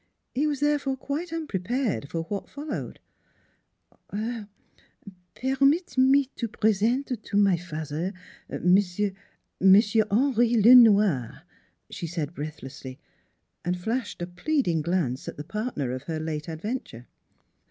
He was therefore quite unprepared for what followed :" Permit me to present to to my fat'er M'sieu' M'sieu' Henri Le Noir" she said breathlessly, and flashed a pleading glance at the partner of her late adventure.